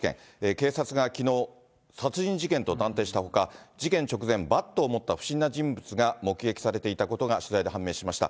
警察がきのう、殺人事件と断定したほか、事件直前、バットを持った不審な人物が目撃されていたことが、取材で判明しました。